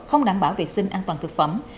không đảm bảo vệ sinh an toàn thực phẩm